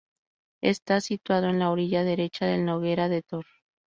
Está situado en la orilla derecha del Noguera de Tor.